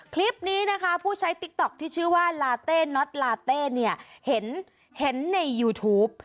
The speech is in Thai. คลิปนี้นะคะผู้ใช้ติ๊กต๊อกที่ชื่อว่าลาเต้น็อตลาเต้เนี่ยเห็นในยูทูป